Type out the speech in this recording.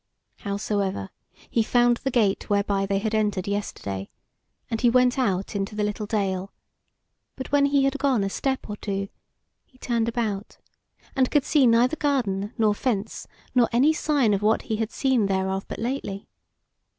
Howsoever, he found the gate whereby they had entered yesterday, and he went out into the little dale; but when he had gone a step or two he turned about, and could see neither garden nor fence, nor any sign of what he had seen thereof but lately.